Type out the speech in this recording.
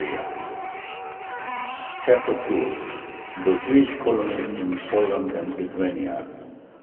_] CHAPTER II THE JEWISH COLONIES IN POLAND AND LITHUANIA 1.